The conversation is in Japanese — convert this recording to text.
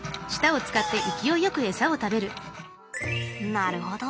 なるほど。